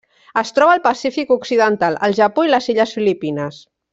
Es troba al Pacífic occidental: el Japó i les illes Filipines.